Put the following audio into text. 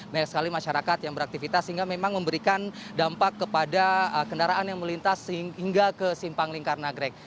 banyak sekali masyarakat yang beraktivitas sehingga memang memberikan dampak kepada kendaraan yang melintas hingga ke simpang lingkar nagrek